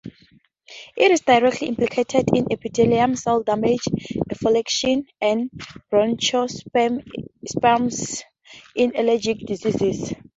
It is directly implicated in epithelial cell damage, exfoliation, and bronchospasm in allergic diseases.